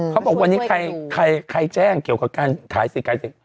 เขาบอกวันนี้ใครแจ้งเกี่ยวกับการขายสิทธิ์การเสพ